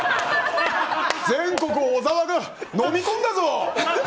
全国、小沢がのみ込んだぞ！